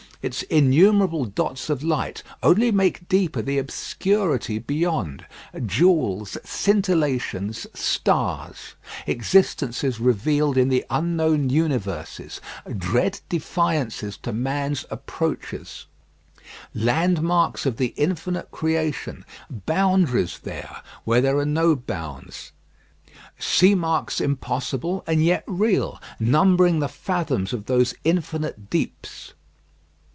Its innumerable dots of light only make deeper the obscurity beyond. Jewels, scintillations, stars; existences revealed in the unknown universes; dread defiances to man's approach; landmarks of the infinite creation; boundaries there, where there are no bounds; sea marks impossible, and yet real, numbering the fathoms of those infinite deeps.